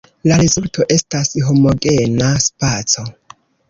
La rezulto estas homogena spaco.